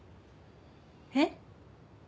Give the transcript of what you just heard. えっ？